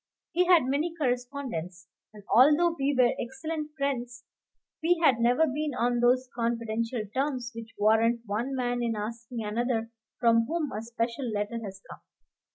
He had many correspondents; and although we were excellent friends, we had never been on those confidential terms which warrant one man in asking another from whom a special letter has come.